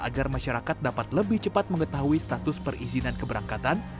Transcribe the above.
agar masyarakat dapat lebih cepat mengetahui status perizinan keberangkatan